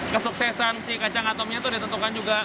kesuksesan si kacang atomnya itu ditentukan juga